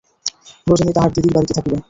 রজনী তাহার দিদির বাড়িতে থাকিবে।